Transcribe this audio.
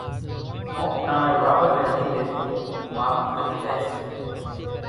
ڪوڪ ٽاڻيَ واورِ نيَ ليڌيَ ٿِي مال کرِي زائيَ سي۔